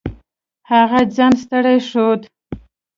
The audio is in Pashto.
هغه ځان ستړی ښود.